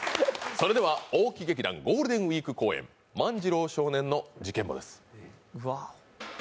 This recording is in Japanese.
それでは大木劇団、ゴールデンウイーク公演、「万次郎少年の事件簿」です。